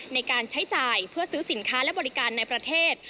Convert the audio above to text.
ในการใช้จ่ายเพื่อซื้อสินค้าและบริการในประเทศ